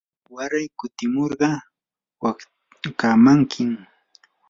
waray kutimurqa watkamankim.